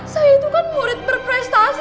saya itu kan murid berprestasi